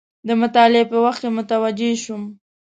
د مطالعې په وخت کې متوجه شوم.